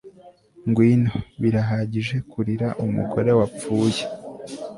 ngwino! birahagije kurira umugore wapfuye